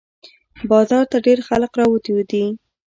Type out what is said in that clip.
بازار ته ډېر خلق راوتي دي